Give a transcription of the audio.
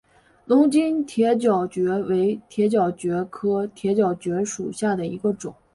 龙津铁角蕨为铁角蕨科铁角蕨属下的一个种。